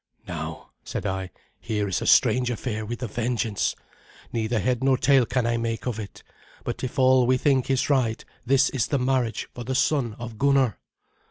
"Now," said I, "here is a strange affair with a vengeance. Neither head nor tail can I make of it. But if all we think is right, this is the marriage for the son of Gunnar."